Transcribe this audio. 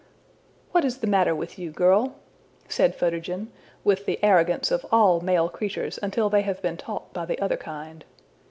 '' ``What is the matter with you, girl?'' said Photogen, with the arrogance of all male creatures until they have been taught by the other kind.